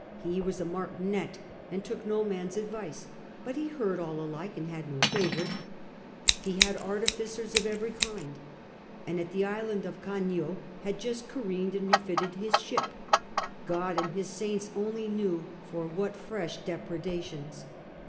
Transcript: He was a martinet, and took no man's advice, but he heard all alike and had no favourite. He had artificers of every kind, and at the Isle of Caiio had just careened and refitted his ship, God and His saints only knew for what fresh depredations.